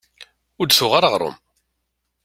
Ur d-tuɣ ara aɣṛum.